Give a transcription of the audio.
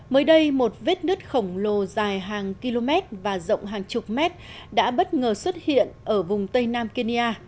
mới đây một vết nứt khổng lồ dài hàng km và rộng hàng chục mét đã bất ngờ xuất hiện ở vùng tây nam kenya